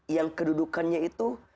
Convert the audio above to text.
yang kedudukannya itu